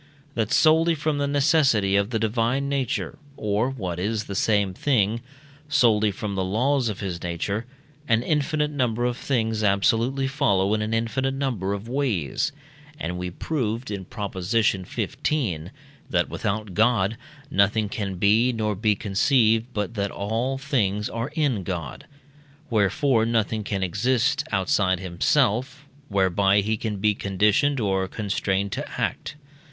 that solely from the necessity of the divine nature, or, what is the same thing, solely from the laws of his nature, an infinite number of things absolutely follow in an infinite number of ways; and we proved (in Prop. xv.), that without God nothing can be nor be conceived but that all things are in God. Wherefore nothing can exist; outside himself, whereby he can be conditioned or constrained to act.